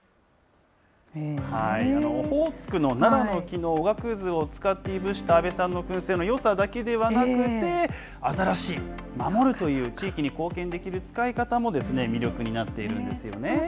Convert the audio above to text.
オホーツクのならの木のおがくずを使っていぶした安倍さんのくん製のよさだけではなくて、アザラシ、守るという、地域に貢献できるという使い方も魅力になっているんですね。